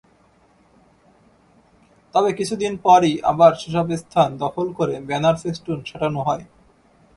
তবে কিছুদিন পরই আবার সেসব স্থান দখল করে ব্যানার-ফেস্টুন সাঁটানো হয়।